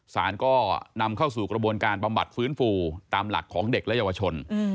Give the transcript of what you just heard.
สารก็นำเข้าสู่กระบวนการบำบัดฟื้นฟูตามหลักของเด็กและเยาวชน